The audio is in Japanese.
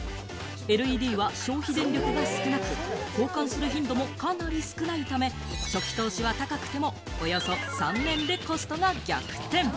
ＬＥＤは消費電力が少なく、交換する頻度もかなり少ないため、初期投資は高くても、およそ３年でコストが逆転。